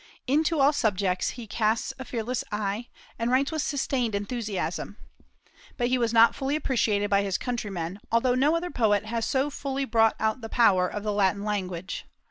Into all subjects he casts a fearless eye, and writes with sustained enthusiasm. But he was not fully appreciated by his countrymen, although no other poet has so fully brought out the power of the Latin language.